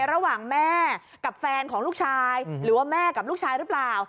ระหว่างแม่กับแฟนของลูกชายหรือว่าแม่กับลูกชายหรือเปล่า